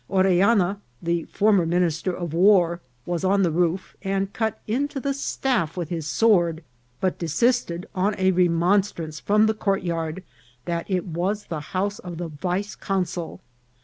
Orel lana, the former minister of war, was on the roof, and cut into the staff with his sword, but desisted on a re monstrance from the courtyard that it was the house of the vice consul.